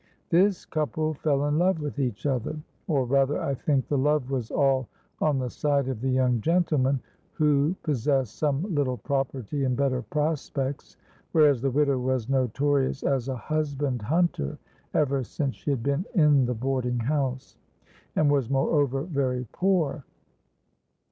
This couple fell in love with each other: or rather, I think, the love was all on the side of the young gentleman, who possessed some little property and better prospects, whereas the widow was notorious as a husband hunter ever since she had been in the boarding house, and was moreover very poor.